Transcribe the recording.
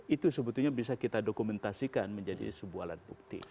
itu sebetulnya bisa kita dokumentasikan menjadi sebuah alat bukti